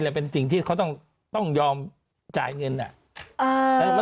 แย่ล่ะเป็นสิ่งที่เขาต้องต้องยอมจ่ายเงินอ่ะเอ่อ